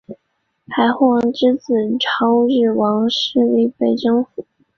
海护王之子超日王势力被征服。